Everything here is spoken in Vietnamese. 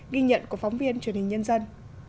ghi nhận của phóng viên truyền hình nhân dân